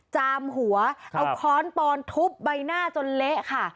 จามหัวเอาค้อนปอนทุบใบหน้าจนเละค่ะ